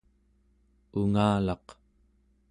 ungalaq